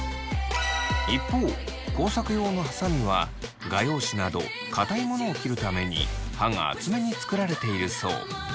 一方工作用のはさみは画用紙など硬いものを切るために刃が厚めに作られているそう。